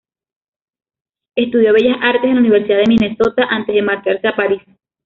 Estudió Bellas Artes en la Universidad de Minnesota antes de marcharse a París.